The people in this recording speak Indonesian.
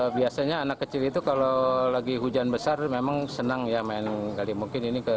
biasanya anak kecil itu kalau lagi hujan besar memang senang ya main kali mungkin ini ke